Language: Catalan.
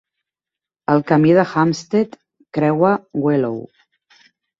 El camí de Hamstead creua Wellow.